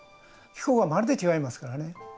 気候がまるで違いますからね。